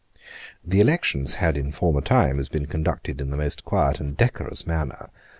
The elections had in former times been conducted in the most quiet and decorous manner.